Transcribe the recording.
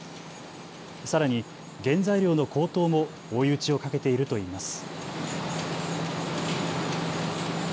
さらに原材料の高騰も追い打ちをかけているといいます。